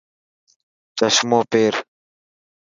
چشمو پير.